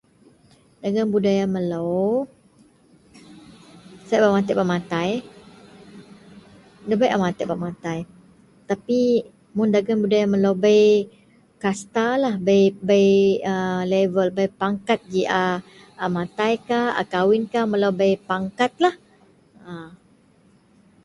Dagen budaya melo sai a bak matek bakatai, nda bei a matek bak matai. Tapi mun dagen budaya melo bei kastalah, bei bei lebel pangakat, ji a matai kah a kawin kah melo bei pangkatlah a.